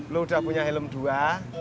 lo udah punya helm dua